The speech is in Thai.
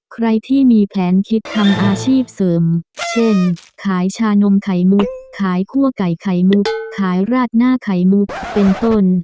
ใครที่มีแผนคิดทำอาชีพเสริมเช่นขายชานมไข่มุกขายคั่วไก่ไข่มุกขายราดหน้าไข่มุกเป็นต้น